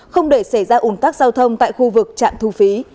không để xảy ra ủng tắc giao thông tại khu vực trạng thu phí